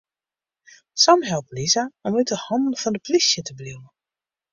Sam helpt Lisa om út 'e hannen fan de plysje te bliuwen.